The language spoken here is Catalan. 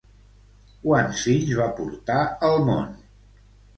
Quants fills va portar al món?